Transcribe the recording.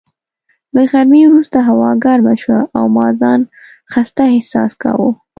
له غرمې وروسته هوا ګرمه شوه او ما ځان خسته احساس کاوه.